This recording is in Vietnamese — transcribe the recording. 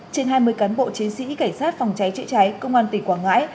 trên hai mươi cán bộ chiến sĩ cảnh sát phòng cháy chữa cháy công an tỉnh quảng ngãi